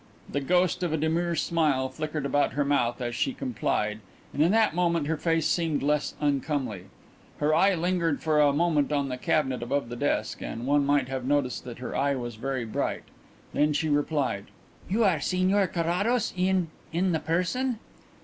The ghost of a demure smile flickered about her mouth as she complied, and in that moment her face seemed less uncomely. Her eye lingered for a moment on a cabinet above the desk, and one might have noticed that her eye was very bright. Then she replied. "You are Signor Carrados, in in the person?"